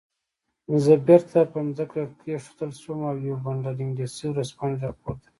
زه بیرته په ځمکه کېښودل شوم او یو بنډل انګلیسي ورځپاڼې راپورته کړې.